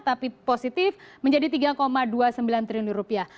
tapi positif menjadi tiga dua puluh sembilan triliun rupiah